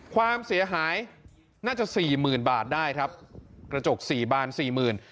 ความเสียหายน่าจะสี่หมื่นบาทได้ครับกระจกสี่บานสี่หมื่น